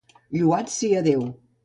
Lloat sia Déu!